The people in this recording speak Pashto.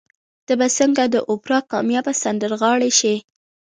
ته به څنګه د اوپرا کاميابه سندرغاړې شې؟